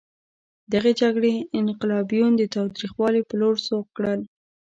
دغې جګړې انقلابیون د تاوتریخوالي په لور سوق کړل.